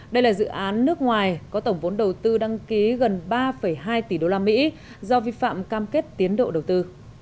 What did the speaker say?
đây là dự án nước ngoài có tổng vốn đầu tư đăng ký gần ba hai tỷ usd do vi phạm cam kết tiến độ đầu tư